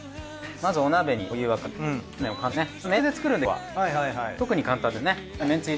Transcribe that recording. まずお鍋にお湯沸かし。